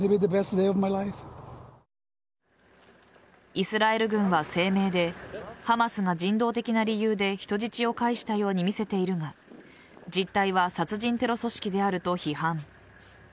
イスラエル軍は声明でハマスが人道的な理由で人質を帰したように見せているが実態は殺人テロ組織であると批判。